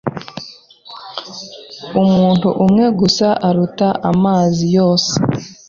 Umuntu umwe gusa aruta amasi yose,